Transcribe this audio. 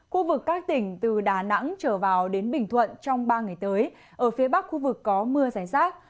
khu vực các tỉnh từ đà nẵng trở vào đến bình thuận trong ba ngày tới ở phía bắc khu vực có mưa giải rác